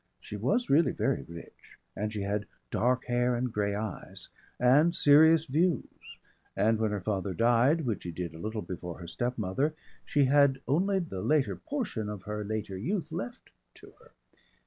She was really very rich, and she had dark hair and grey eyes and serious views, and when her father died, which he did a little before her step mother, she had only the later portion of her later youth left to her.